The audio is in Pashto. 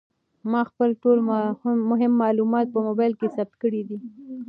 ما خپل ټول مهم معلومات په موبایل کې ثبت کړي دي.